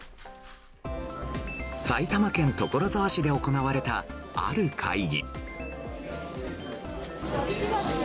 埼玉県所沢市で行われたある会議。